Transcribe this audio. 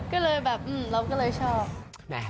ก็เลยแบบเราก็เลยชอบ